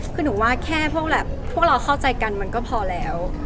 คือหนูว่าแค่พวกแบบพวกเราเข้าใจกันมันก็พอแล้ว